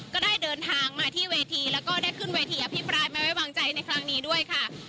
ก็ได้เดินทางมาที่เวทีแล้วก็ได้ขึ้นเวทีอภิปรายไม่ไว้วางใจในครั้งนี้ด้วยค่ะ